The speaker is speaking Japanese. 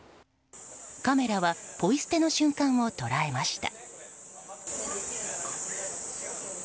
カメラはポイ捨ての瞬間を捉えました。